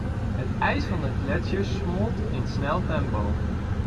Het ijs van de gletsjers smolt in sneltempo.